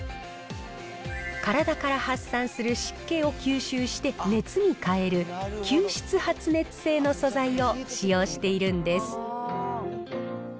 体から発散する湿気を吸収して熱に変える、吸湿発熱性の素材を使用しているんです。